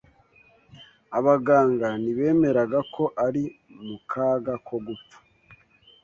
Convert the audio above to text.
Abaganga ntibemeraga ko ari mu kaga ko gupfa.